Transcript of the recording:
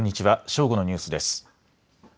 正午のニュースです。